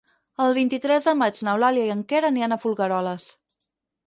El vint-i-tres de maig n'Eulàlia i en Quer aniran a Folgueroles.